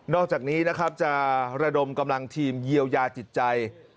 อกจากนี้นะครับจะระดมกำลังทีมเยียวยาจิตใจ